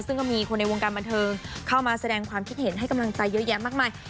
ซึ่งก็มีคนในวงการบันเทิงเข้ามาแสดงความคิดเห็นให้กำลังใจเยอะแยะมากมาย